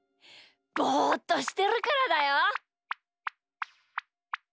ぼっとしてるからだよ。